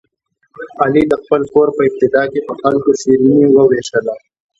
علي د خپل کور په ابتدا کې په خلکو شیریني ووېشله.